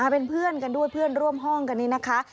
เป็นเพื่อนกันด้วยเพื่อนร่วมห้องกันนี้นะคะ